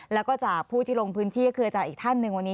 แล้วก็จากผู้ที่ลงพื้นที่คืออาจารย์อีกท่านหนึ่งวันนี้